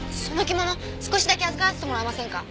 少しだけ預からせてもらえませんか？